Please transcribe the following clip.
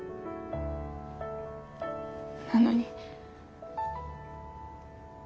なのに。